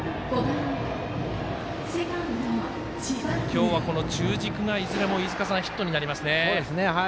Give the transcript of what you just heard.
今日は、この中軸がいずれもヒットになりますね。